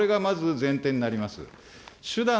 これがまず前提になります。